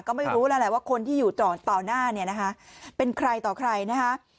ก็ไม่รู้แล้วคนนี้อยู่ต่อหน้าเป็นใครต่อใครนะคะ